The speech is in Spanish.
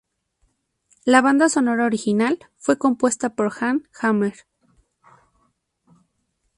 La banda sonora original fue compuesta por Jan Hammer.